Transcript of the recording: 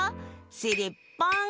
しりっぽん！